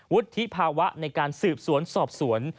วุฒิภาวะในการสืบสวนสอบสวน